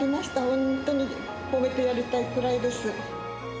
本当に褒めてやりたいくらいです。